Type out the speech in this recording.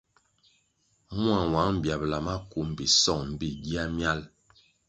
Mua nwang biabla maku mbpi song mbpí gia miál.